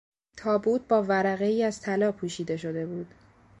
تابوت با ورقهای از طلا پوشیده شده بود.